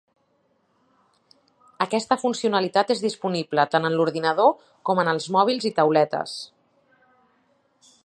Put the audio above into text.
Aquesta funcionalitat és disponible tant en l’ordinador com en els mòbils i tauletes.